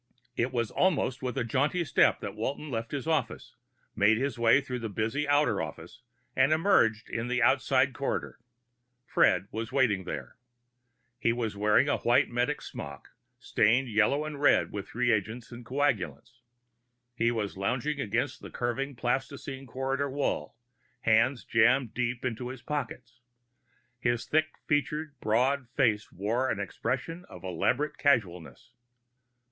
It was almost with a jaunty step that Walton left his office, made his way through the busy outer office, and emerged in the outside corridor. Fred was waiting there. He was wearing his white medic's smock, stained yellow and red by reagents and coagulants. He was lounging against the curving plastine corridor wall, hands jammed deep into his pockets. His thick featured, broad face wore an expression of elaborate casualness.